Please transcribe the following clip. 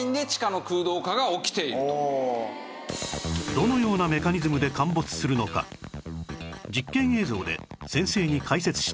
どのようなメカニズムで陥没するのか実験映像で先生に解説してもらいます